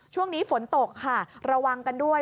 ช่วงนี้ฝนตกค่ะระวังกันด้วย